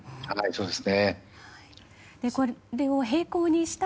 そうです。